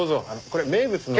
これ名物の。